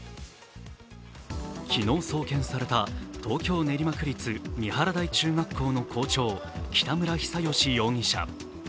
昨日送検された東京・練馬区立三原台中学校の校長、北村比左嘉容疑者。